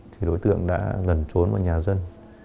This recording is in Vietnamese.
thì đối tượng đã gần trốn vào nhà dân